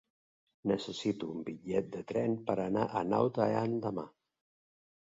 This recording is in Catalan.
Necessito un bitllet de tren per anar a Naut Aran demà.